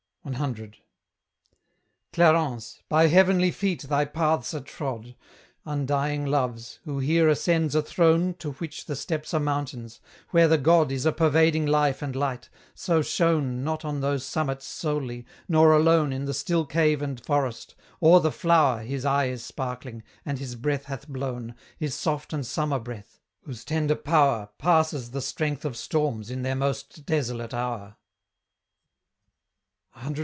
C. Clarens! by heavenly feet thy paths are trod, Undying Love's, who here ascends a throne To which the steps are mountains; where the god Is a pervading life and light, so shown Not on those summits solely, nor alone In the still cave and forest; o'er the flower His eye is sparkling, and his breath hath blown, His soft and summer breath, whose tender power Passes the strength of storms in their most desolate hour.